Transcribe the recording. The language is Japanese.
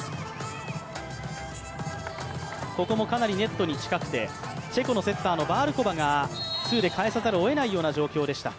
ここもかなりネットに近くて、チェコのセッターのバールコバがツーで返さざるをえないような状況でした。